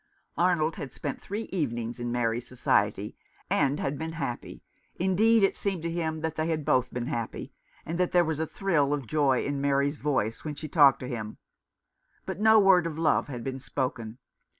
Arnold had spent three evenings in Mary's society, and had been happy — indeed, it seemed to him that they had both been happy, and that there was a thrill of joy in Mary's voice when she talked to him ; but no word of love had been spoken.